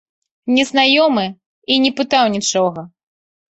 Незнаёмы і не пытаў нічога.